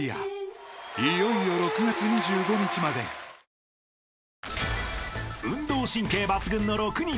「氷結」［運動神経抜群の６人。